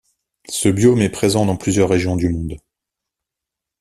Ce biome est présent dans plusieurs régions du monde.